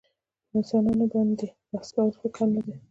پر انسانانو باندي بحث کول ښه کار نه دئ.